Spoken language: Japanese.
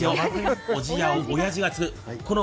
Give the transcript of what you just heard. おじやをおやじがつぐ。